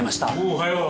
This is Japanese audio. おはよう。